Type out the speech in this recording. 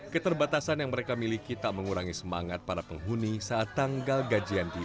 keterbatasan yang mereka miliki tak mengurangi semangat para penghuni saat tanggal gajian tiba